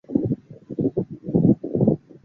东北军内部残杀的悲剧愈演愈烈。